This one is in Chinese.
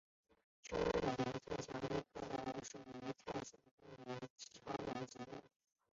腺毛委陵菜是蔷薇科委陵菜属的多年生草本植物。